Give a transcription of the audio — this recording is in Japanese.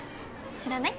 知らない？